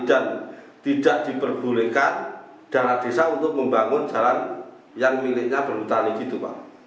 dan tidak diperbolehkan jalan desa untuk membangun jalan yang miliknya perhutani gitu pak